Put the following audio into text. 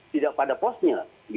tidak pada posnya